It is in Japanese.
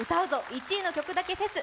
１位の曲だけフェス」。